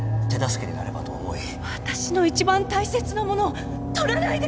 私の一番大切なものを取らないで！